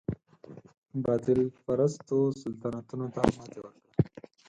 باطل پرستو سلطنتونو ته ماتې ورکړه.